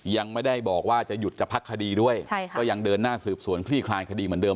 ยังไม่ได้บอกว่าจะหยุดจะพักคดีด้วยใช่ค่ะก็ยังเดินหน้าสืบสวนคลี่คลายคดีเหมือนเดิ